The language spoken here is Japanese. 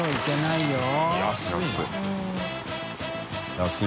安い。